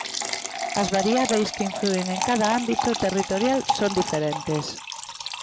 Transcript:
As variábeis que inflúen en cada ámbito territorial son diferentes.